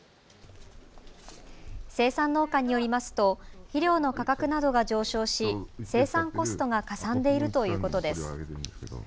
生産農家によりますと肥料の価格などが上昇し生産コストがかさんでいるということです。